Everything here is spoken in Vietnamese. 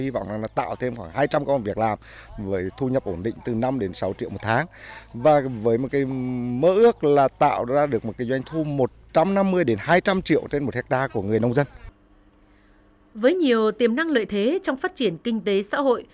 với nhiều tiềm năng lợi thế trong phát triển kinh tế xã hội